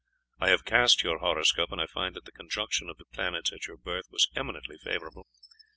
I have cast your horoscope, and I find that the conjunction of the planets at your birth was eminently favourable.